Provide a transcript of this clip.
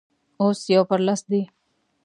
اوس يو پر لس دی.